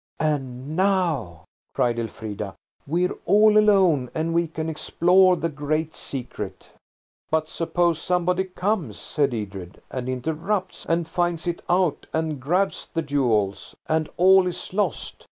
"And now," cried Elfrida, "we're all alone, and we can explore the great secret!" "But suppose somebody comes," said Edred, "and interrupts, and finds it out, and grabs the jewels, and all is lost.